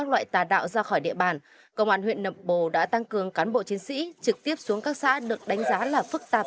các loại tà đạo ra khỏi địa bàn công an huyện nậm bồ đã tăng cường cán bộ chiến sĩ trực tiếp xuống các xã được đánh giá là phức tạp